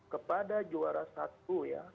kepada juara satu ya